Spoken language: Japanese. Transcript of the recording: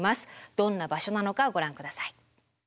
どんな場所なのかご覧下さい。